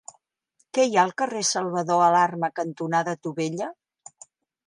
Què hi ha al carrer Salvador Alarma cantonada Tubella?